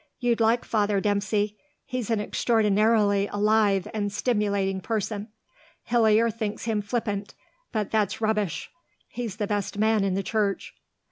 You'd like Father Dempsey. He's an extraordinarily alive and stimulating person. Hillier thinks him flippant; but that's rubbish. He's the best man in the Church."